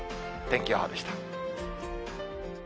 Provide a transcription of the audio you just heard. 天気予報でした。